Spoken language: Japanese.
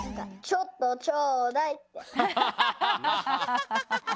「ちょっとちょうだい」。